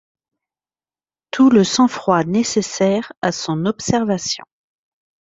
tout le sang-froid nécessaire à son observation.